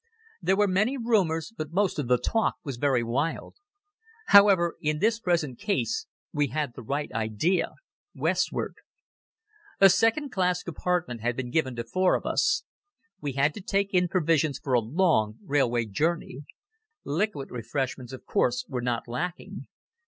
There were many rumors but most of the talk was very wild. However, in this present case, we had the right idea: westward. A second class compartment had been given to four of us. We had to take in provisions for a long railway journey. Liquid refreshments, of course, were not lacking.